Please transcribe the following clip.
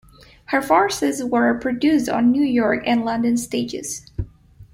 Her farces were produced on New York and London stages.